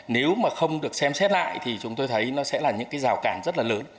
nếu mà không được xem xét lại thì chúng tôi thấy nó sẽ là những cái rào cản rất là lớn